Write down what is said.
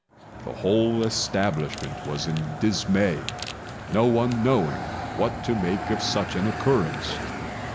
The whole establishment was in dismay, no one knowing what to make of such an occurrence.